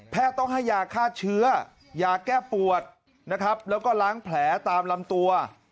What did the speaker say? ต้องให้ยาฆ่าเชื้อยาแก้ปวดนะครับแล้วก็ล้างแผลตามลำตัว